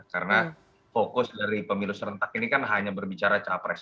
karena fokus dari pemilu serentak ini kan hanya berbicara capres